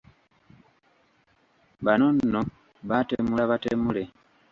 Bano nno baatemula batemule.